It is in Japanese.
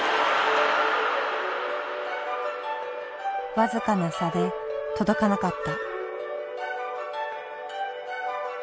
僅かな差で届かなかった。